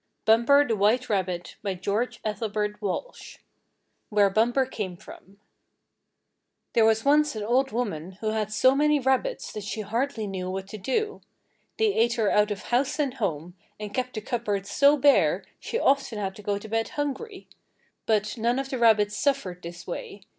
BUMPER THE WHITE RABBIT STORY I WHERE BUMPER CAME FROM There was once an old woman who had so many rabbits that she hardly knew what to do. They ate her out of house and home, and kept the cupboard so bare she often had to go to bed hungry. But none of the rabbits suffered this way.